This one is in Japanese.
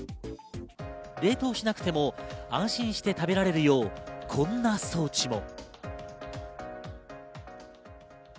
冷凍しなくても安心して食べられるようこんな装置も。